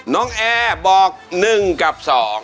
น้องแอบอก๑กับ๒